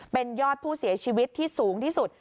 เป็นยอดผู้เสียชีวิตที่สูงที่สุด